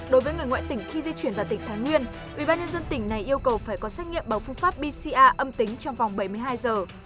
đối với người ngoại tỉnh khi di chuyển vào tỉnh thái nguyên ubnd tỉnh này yêu cầu phải có xét nghiệm bằng phương pháp bca âm tính trong vòng bảy mươi hai giờ